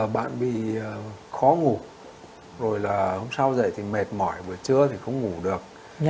bạn bị khó ngủ rồi là hôm sau dậy thì mệt mỏi buổi trưa thì không ngủ được